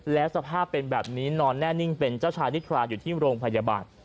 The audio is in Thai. แล้วสภาพเป็นแบบนี้นอนแน่นิ่งเป็นเจ้าชายนิทราอยู่ที่โรงพยาบาล